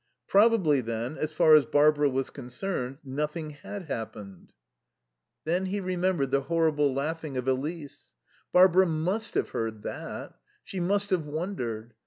Probably, then, as far as Barbara was concerned, nothing had happened. Then he remembered the horrible laughing of Elise. Barbara must have heard that; she must have wondered.